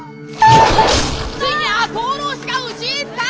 ついに赤穂浪士が討ち入った！